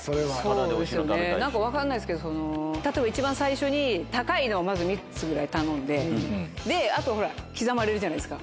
なんか分からないですけど、例えば一番最初に高いのまず３つぐらい頼んで、で、あとほら、刻まれるじゃないですか。